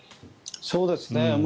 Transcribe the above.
そうですね。